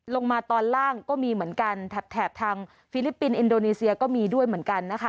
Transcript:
ลงมาตอนล่างก็มีเหมือนกันแถบทางฟิลิปปินสอินโดนีเซียก็มีด้วยเหมือนกันนะคะ